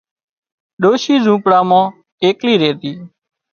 ڏوشي زونپڙا مان ايڪلي ريتي